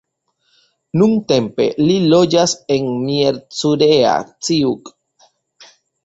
Nuntempe li loĝas en Miercurea Ciuc.